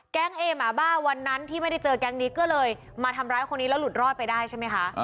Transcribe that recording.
เอหมาบ้าวันนั้นที่ไม่ได้เจอแก๊งนี้ก็เลยมาทำร้ายคนนี้แล้วหลุดรอดไปได้ใช่ไหมคะ